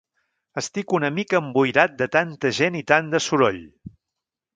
Estic una mica emboirat de tanta gent i tant de soroll.